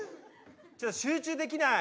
ちょっと集中できない。